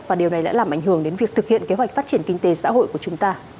và điều này đã làm ảnh hưởng đến việc thực hiện kế hoạch phát triển kinh tế xã hội của chúng ta